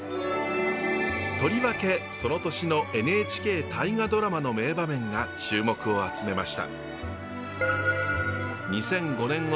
とりわけその年のＮＨＫ「大河ドラマ」の名場面が注目を集めました。